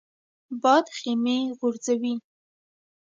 باد خیمې غورځوي